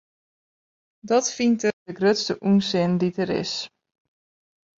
Dat fynt er de grutste ûnsin dy't der is.